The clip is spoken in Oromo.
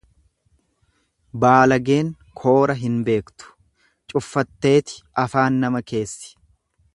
Baalageen koora hin beektu, cuffatteeti afaan nama keessi.